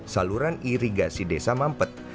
saluran irigasi desa mampet